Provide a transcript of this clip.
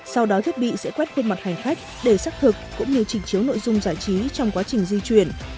sau đó thiết bị sẽ quét khuôn mặt hành khách để xác thực cũng như trình chiếu nội dung giải trí trong quá trình di chuyển